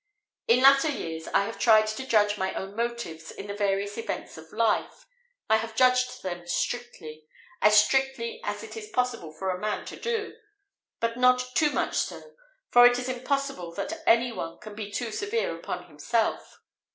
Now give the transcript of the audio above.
In latter years I have tried to judge my own motives in the various events of life I have judged them strictly as strictly as it is possible for a man to do; but not too much so, for it is impossible that any one can be too severe upon himself.